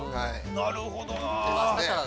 なるほどな。